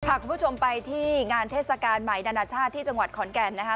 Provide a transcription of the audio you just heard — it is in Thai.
พาคุณผู้ชมไปที่งานเทศกาลใหม่นานาชาติที่จังหวัดขอนแก่นนะคะ